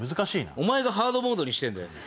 お前がハードモードにしてんだよ。